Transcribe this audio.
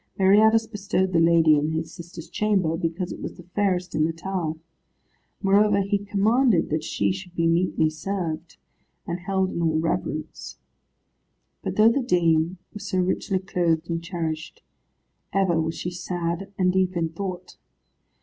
Meriadus bestowed the lady in his sister's chamber, because it was the fairest in the tower. Moreover he commanded that she should be meetly served, and held in all reverence. But though the dame was so richly clothed and cherished, ever was she sad and deep in thought.